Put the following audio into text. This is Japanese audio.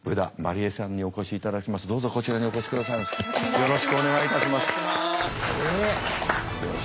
よろしくお願いします。